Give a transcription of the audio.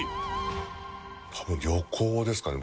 多分旅行ですかね